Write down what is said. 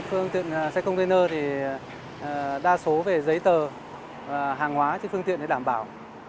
phương tiện xe container thì đa số về giấy tờ hàng hóa trên phương tiện để đảm bảo